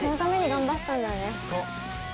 そう。